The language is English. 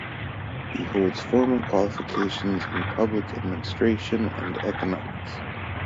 He holds formal qualifications in public administration and economics.